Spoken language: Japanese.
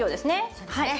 そうですね。